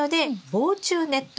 防虫ネット？